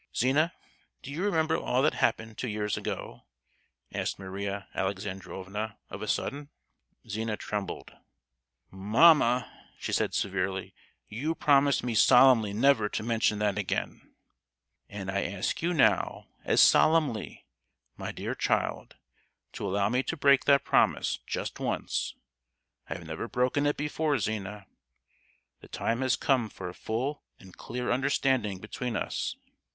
"Zina, do you remember all that happened two years ago?" asked Maria Alexandrovna of a sudden. Zina trembled. "Mamma!" she said, severely, "you promised me solemnly never to mention that again." "And I ask you now, as solemnly, my dear child, to allow me to break that promise, just once! I have never broken it before. Zina! the time has come for a full and clear understanding between us!